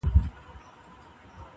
• ورته پیسې راځي مالونه راځي -